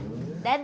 ya udah bang